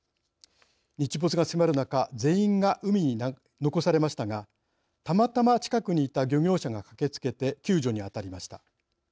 日没が迫る中全員が海に残されましたがたまたま近くにいた漁業者が駆けつけて、救助に当たりました。